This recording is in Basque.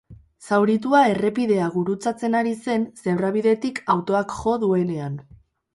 Zauritua errepidea gurutzatzen ari zen zebrabidetik autoak jo duenean.